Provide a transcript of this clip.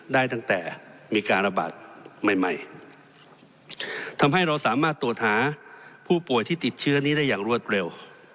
ได้ตั้งแต่มีการระบาดใหม่ใหม่ทำให้เราสามารถตรวจหาผู้ป่วยที่ติดเชื้อนี้ได้อย่างรวดเร็ว